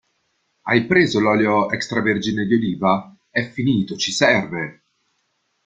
Hai preso l'olio extravergine di oliva? È finito, ci serve!